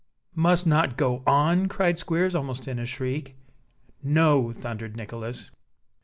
"Must not go on!" cried Squeers, almost in a shriek. "No!" thundered Nicholas.